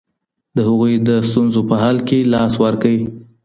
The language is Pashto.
د هغوی د ستونزو په حل کي لاس ورکړئ.